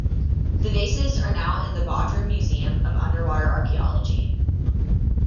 The vases are now in the Bodrum Museum of Underwater Archaeology.